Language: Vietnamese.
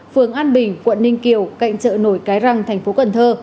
phường an bình quận ninh kiều cạnh chợ nổi cái răng thành phố cần thơ